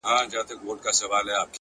مهرباني د انسانیت خاموشه نغمه ده.